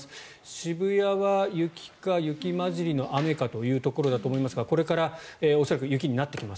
渋谷は雪か雪交じりの雨かということだと思いますがこれから恐らく雪になってきます。